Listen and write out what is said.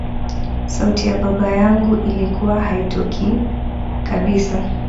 sauti ya baba yangu ilikuwa haitokii kabisa